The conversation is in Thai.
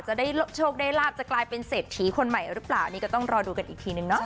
จะได้โชคได้ลาบจะกลายเป็นเศรษฐีคนใหม่หรือเปล่าอันนี้ก็ต้องรอดูกันอีกทีนึงเนาะ